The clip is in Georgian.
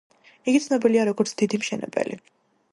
იგი ცნობილია, როგორც დიდი მშენებელი.